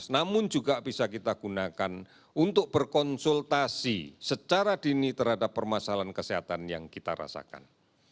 namun juga bisa kita gunakan untuk berkonsultasi secara dini terhadap permasalahan kesehatan yang kita rasakan